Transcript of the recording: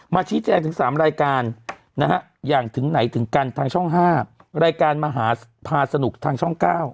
มาชี้แจกถึง๓รายการทางช่อง๕รายการมาพาสนุกช่อง๙